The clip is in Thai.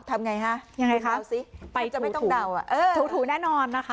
ทำไงฮะยังไงครับไปถูถูถูถูแน่นอนนะคะ